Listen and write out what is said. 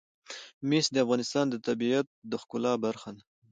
مس د افغانستان د طبیعت د ښکلا برخه ده.